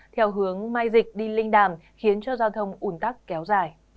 theo hướng mai dịch đi linh đàm khiến cho giao thông ủn tắc kéo dài